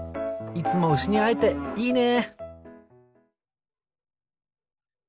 いつもウシにあえていいね。